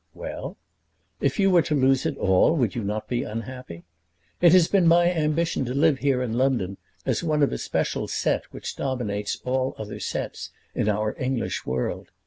"Well?" "If you were to lose it all, would you not be unhappy? It has been my ambition to live here in London as one of a special set which dominates all other sets in our English world.